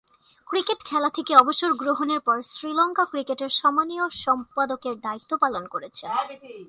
Cricket খেলা থেকে অবসর গ্রহণের পর শ্রীলঙ্কা ক্রিকেটের সম্মানীয় সম্পাদকের দায়িত্ব পালন করেছেন।